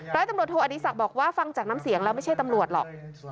ร้อยตำรวจโทอดีศักดิ์บอกว่าฟังจากน้ำเสียงแล้วไม่ใช่ตำรวจหรอก